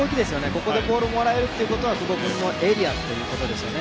ここでボールもらえるってことは久保君のエリアってことですね。